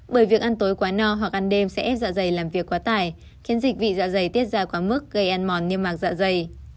bởi việc ăn tối quá no hoặc ăn đêm sẽ ép dạ dày làm việc quá tải khiến dịch vị dạ dày tiết ra quá mức gây ăn mòn niêm mạc dạ dày